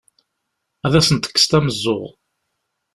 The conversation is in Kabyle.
Ad asen-tekkseḍ ameẓẓuɣ!